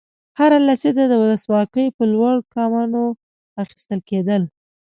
هره لسیزه د ولسواکۍ په لور ګامونه اخیستل کېدل.